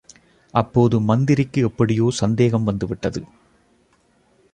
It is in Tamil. அப்போது மந்திரிக்கு எப்படியோ சந்தேகம் வந்து விட்டது.